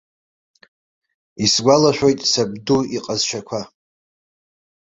Исгәалашәоит сабду иҟазшьақәа.